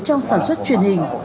trong sản xuất truyền hình